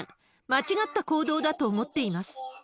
間違った行動だと思っています。